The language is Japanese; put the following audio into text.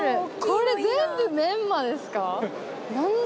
これ全部メンマですか？